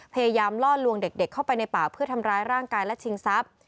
ล่อลวงเด็กเข้าไปในป่าเพื่อทำร้ายร่างกายและชิงทรัพย์